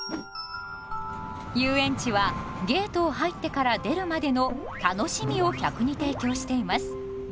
遊園地はゲートを入ってから出るまでの「楽しみ」を客に提供しています。